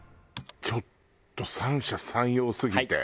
ちょっと三者三様すぎて。